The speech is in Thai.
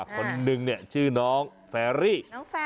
คนนึงชื่อน้องแฟรี่